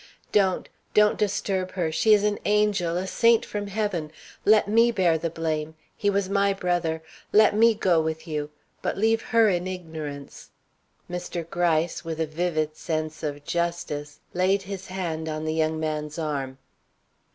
"Don't, don't disturb her! She is an angel, a saint from heaven. Let me bear the blame he was my brother let me go with you, but leave her in ignorance " Mr. Gryce, with a vivid sense of justice, laid his hand on the young man's arm.